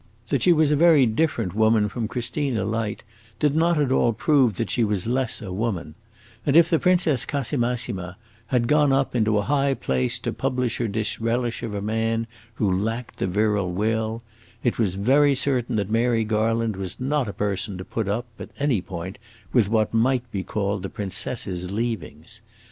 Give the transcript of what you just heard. That she was a very different woman from Christina Light did not at all prove that she was less a woman, and if the Princess Casamassima had gone up into a high place to publish her disrelish of a man who lacked the virile will, it was very certain that Mary Garland was not a person to put up, at any point, with what might be called the princess's leavings.